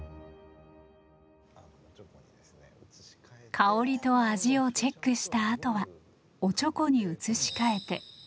香りと味をチェックしたあとはおちょこに移し替えて。